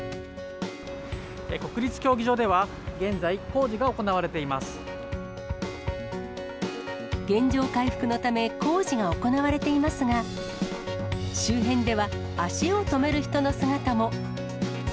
国立競技場では現在、工事が原状回復のため、工事が行われていますが、周辺では足を止める人の姿も。